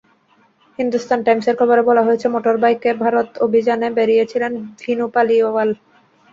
হিন্দুস্তান টাইমসের খবরে বলা হয়েছে, মোটরবাইকে ভারত অভিযানে বেরিয়েছিলেন ভিনু পালিওয়াল।